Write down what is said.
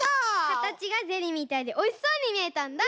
かたちがゼリーみたいでおいしそうにみえたんだ。